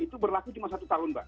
itu berlaku cuma satu tahun mbak